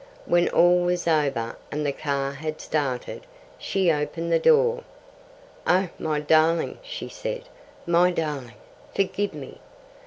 When all was over and the car had started, she opened the door. "Oh, my darling!" she said. "My darling, forgive me."